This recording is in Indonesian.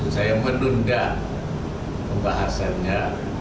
saya menunda pembahasannya